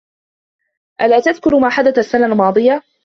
ألا تذكر ما حدث السنة الماضية؟